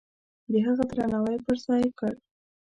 د هغه درناوی پرځای کړ.